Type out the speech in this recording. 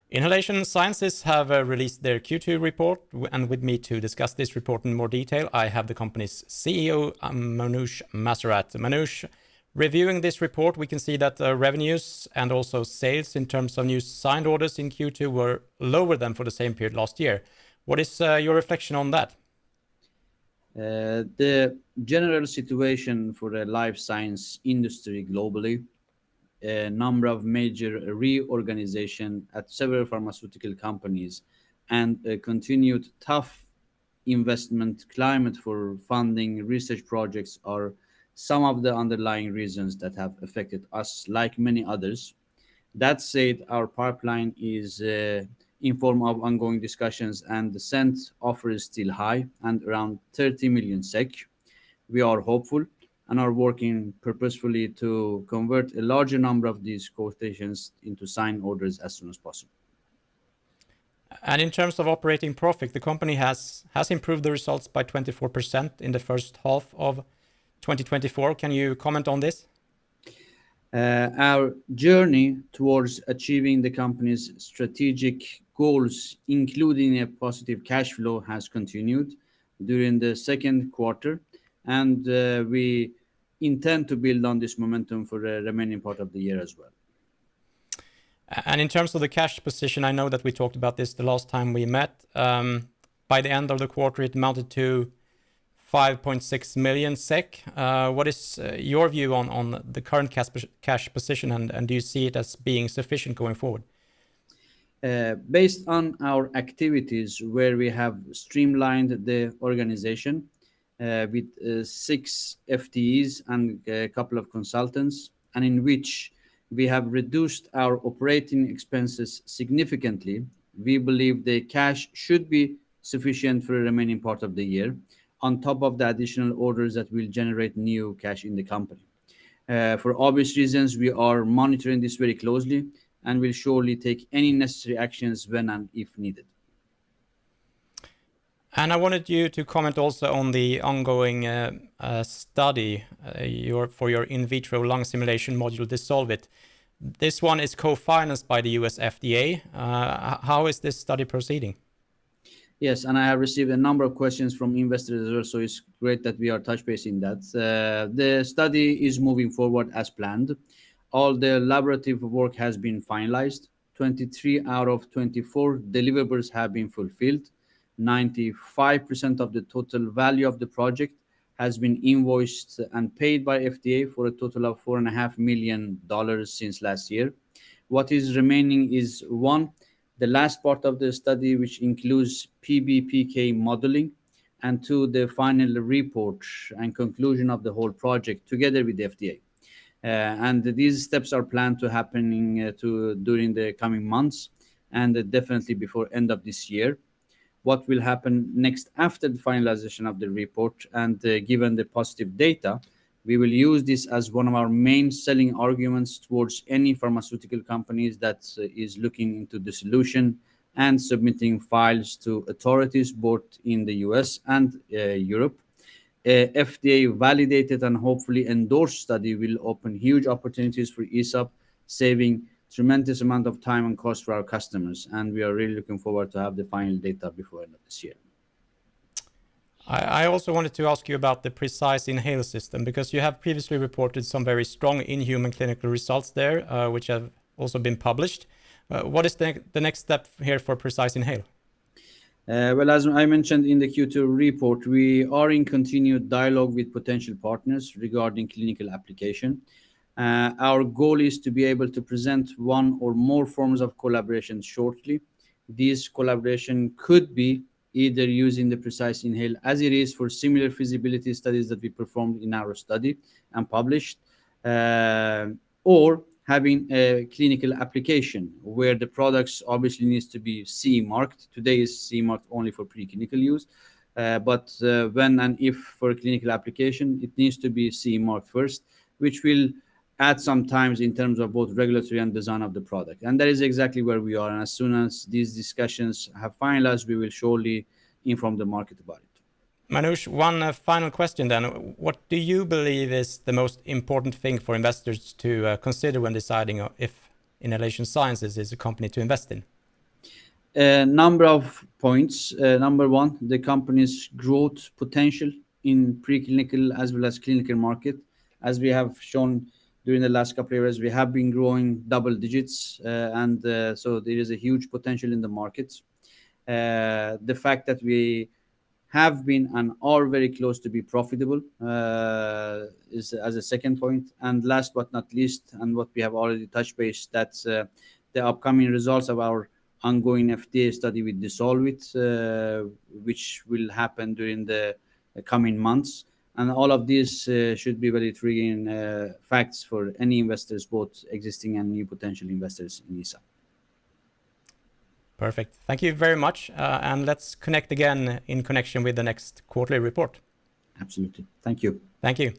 Inhalation Sciences have released their Q2 report. And with me to discuss this report in more detail, I have the company's CEO, Manoush Masarrat. Manoush, reviewing this report, we can see that the revenues and also sales in terms of new signed orders in Q2 were lower than for the same period last year. What is your reflection on that? The general situation for the life science industry globally, a number of major reorganization at several pharmaceutical companies, and a continued tough investment climate for funding research projects are some of the underlying reasons that have affected us, like many others. That said, our pipeline is in form of ongoing discussions, and the sent offer is still high and around 30 million SEK. We are hopeful and are working purposefully to convert a larger number of these quotations into signed orders as soon as possible. In terms of operating profit, the company has improved the results by 24% in the first half of 2024. Can you comment on this? Our journey towards achieving the company's strategic goals, including a positive cash flow, has continued during the second quarter, and we intend to build on this momentum for the remaining part of the year as well. In terms of the cash position, I know that we talked about this the last time we met. By the end of the quarter, it amounted to 5.6 million SEK. What is your view on the current cash position, and do you see it as being sufficient going forward? Based on our activities, where we have streamlined the organization, with six FTEs and a couple of consultants, and in which we have reduced our operating expenses significantly, we believe the cash should be sufficient for the remaining part of the year, on top of the additional orders that will generate new cash in the company. For obvious reasons, we are monitoring this very closely and will surely take any necessary actions when and if needed. And I wanted you to comment also on the ongoing study for your in vitro lung simulation module, DissolvIt. This one is co-financed by the U.S. FDA. How is this study proceeding? Yes, and I have received a number of questions from investors also. It's great that we are touch base in that. The study is moving forward as planned. All the collaborative work has been finalized. 23 out of 24 deliverables have been fulfilled. 95% of the total value of the project has been invoiced and paid by FDA for a total of $4.5 million since last year. What is remaining is, one, the last part of the study, which includes PBPK modeling, and two, the final report and conclusion of the whole project together with the FDA. And these steps are planned to happening during the coming months and definitely before end of this year. What will happen next after the finalization of the report and given the positive data, we will use this as one of our main selling arguments towards any pharmaceutical companies that's looking into the solution and submitting files to authorities both in the U.S. and Europe. An FDA-validated and hopefully endorsed study will open huge opportunities for ISAB, saving tremendous amount of time and cost for our customers, and we are really looking forward to have the final data before end of this year. I also wanted to ask you about the PreciseInhale system, because you have previously reported some very strong in-human clinical results there, which have also been published. What is the next step here for PreciseInhale? Well, as I mentioned in the Q2 report, we are in continued dialogue with potential partners regarding clinical application. Our goal is to be able to present one or more forms of collaboration shortly. This collaboration could be either using the PreciseInhale as it is for similar feasibility studies that we performed in our study and published, or having a clinical application where the products obviously needs to be CE marked. Today, it's CE marked only for preclinical use, but when and if for a clinical application, it needs to be CE marked first, which will add some times in terms of both regulatory and design of the product, and that is exactly where we are, and as soon as these discussions have finalized, we will surely inform the market about it. Manoush, one final question then. What do you believe is the most important thing for investors to consider when deciding if Inhalation Sciences is a company to invest in? A number of points. Number one, the company's growth potential in preclinical as well as clinical market. As we have shown during the last couple years, we have been growing double digits, and so there is a huge potential in the markets. The fact that we have been and are very close to be profitable is, as a second point, and last but not least, and what we have already touched base, that's the upcoming results of our ongoing FDA study with DissolvIt, which will happen during the coming months. And all of these should be very intriguing facts for any investors, both existing and new potential investors in ISAB. Perfect. Thank you very much, and let's connect again in connection with the next quarterly report. Absolutely. Thank you. Thank you.